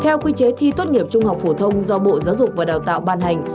theo quy chế thi tốt nghiệp trung học phổ thông do bộ giáo dục và đào tạo ban hành